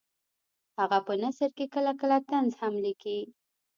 هغه په نثر کې کله کله طنز هم لیکي